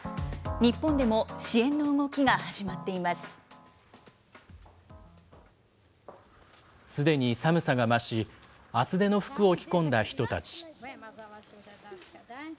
日本でも支援の動きが始まっていすでに寒さが増し、厚手の服を着込んだ人たち。